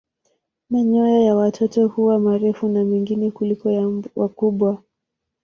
Manyoya ya watoto huwa marefu na mengi kuliko ya wakubwa.